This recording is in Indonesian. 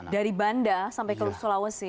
dari banda sampai ke sulawesi